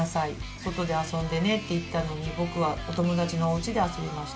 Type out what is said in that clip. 『外で遊んでね』って言ったのに僕はお友達のおうちで遊びました。